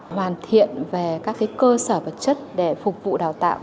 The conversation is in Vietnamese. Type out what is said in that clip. hoàn thiện về các cơ sở vật chất để phục vụ đào tạo